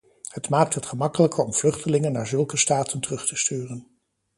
Het maakt het gemakkelijker om vluchtelingen naar zulke staten terug te sturen.